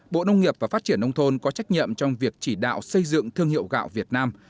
bộ nông nghiệp và phát triển nông thôn có trách nhiệm trong việc chỉ đạo xây dựng thương hiệu gạo việt nam